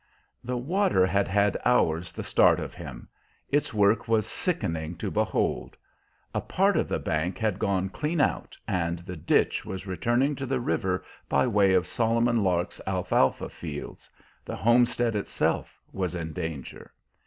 The water had had hours the start of him; its work was sickening to behold. A part of the bank had gone clean out, and the ditch was returning to the river by way of Solomon Lark's alfalfa fields. The homestead itself was in danger.